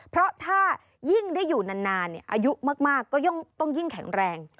เพราะถ้ายิ่งได้อยู่นานอายุมากก็ต้องยิ่งแข็งแรง